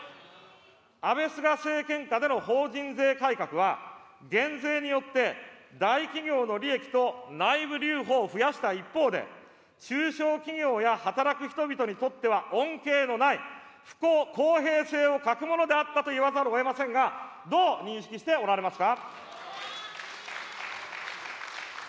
安倍・菅政権下での法人税改革は、減税によって大企業の利益と内部留保を増やした一方で、中小企業や働く人々にとっては恩恵のない、ふこう・公平性を欠くものであったといわざるをえませんが、どう認識しておられますか。